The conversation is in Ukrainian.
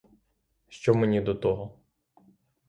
Що мені до того?